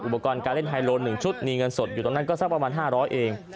อุปกรณ์การเล่นไฮโล๑ชุดมีเงินสดอยู่ตรงนั้นก็สักประมาณ๕๐๐เอง